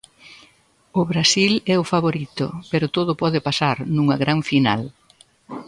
O Brasil é o favorito, pero todo pode pasar nunha gran final.